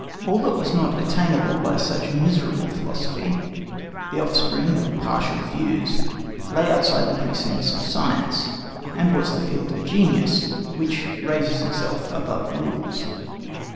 All that was not attainable by such miserable philosophy, the offspring of partial views, lay outside the precincts of science—and was the field of genius, which RAISES ITSELF ABOVE RULES.